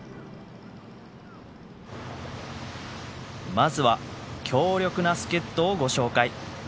まずは強力な助っ人をご紹介。